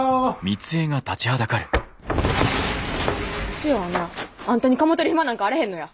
千代はなああんたに構てる暇なんかあれへんのや。